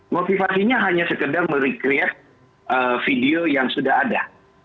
motivasinya hanya sekedar mere create video yang sudah ada